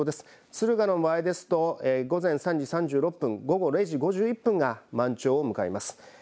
敦賀の場合ですと午前３時３６分、午後０時５１分が満潮を迎えます。